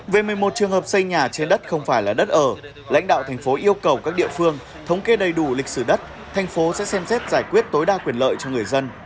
về một mươi một trường hợp xây nhà trên đất không phải là đất ở lãnh đạo thành phố yêu cầu các địa phương thống kê đầy đủ lịch sử đất thành phố sẽ xem xét giải quyết tối đa quyền lợi cho người dân